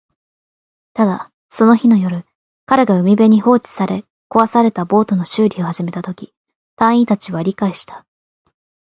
ただ、その日の夜、彼が海辺に放置された壊れたボートの修理を始めたとき、隊員達は理解した